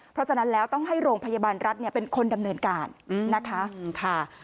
เพราะฉะนั้นแล้วต้องให้โรงพยาบาลรัฐเป็นคนดำเนินการนะคะ